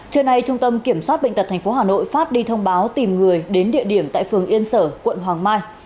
trưa nay trung tâm kiểm soát bệnh tật tp hà nội phát đi thông báo tìm người đến địa điểm tại phường yên sở quận hoàng mai